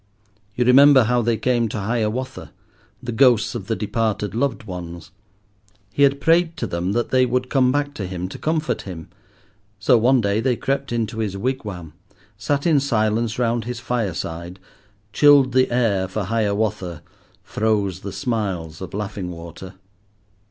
You remember how they came to Hiawatha—the ghosts of the departed loved ones. He had prayed to them that they would come back to him to comfort him, so one day they crept into his wigwam, sat in silence round his fireside, chilled the air for Hiawatha, froze the smiles of Laughing Water.